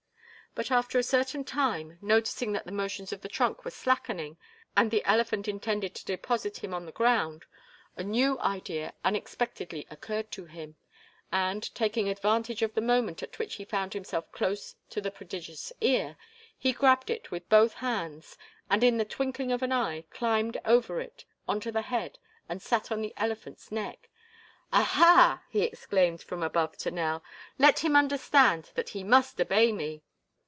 But after a certain time, noticing that the motions of the trunk were slackening and the elephant intended to deposit him on the ground, a new idea unexpectedly occurred to him, and, taking advantage of the moment at which he found himself close to the prodigious ear, he grabbed it with both hands and in the twinkling of an eye climbed over it onto the head and sat on the elephant's neck. "Aha!" he exclaimed from above to Nell; "let him understand that he must obey me."